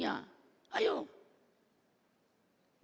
datang pak rusmin